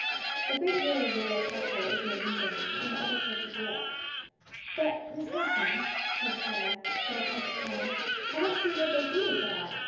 A great deal of willow charcoal is made in Germany and other parts of Europe." "But, Miss Harson," said Clara, in a puzzled tone, "I don't see what they do with it all.